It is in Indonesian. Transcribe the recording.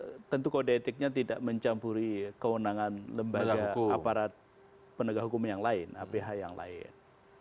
karena ini maka itu dikode etiknya tidak mencampuri kewenangan lembaga aparat penegak hukum yang lain aph yang lain